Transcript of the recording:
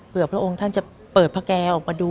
เพราะพระองค์ท่านจะเปิดภาคแกออกมาดู